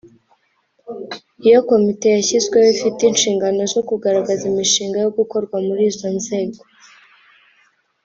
Iyo komite yashyizweho ifite inshingano zo kugaragaza imishinga yo gukorwa muri izo nzego